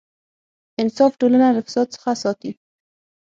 انصاف ټولنه له فساد څخه ساتي.